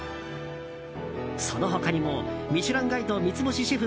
その他にも「ミシュランガイド」三つ星シェフ